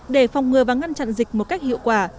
để phòng ngừa và ngăn chặn dịch một cách hiệu quả